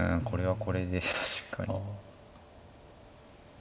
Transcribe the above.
これはこれで。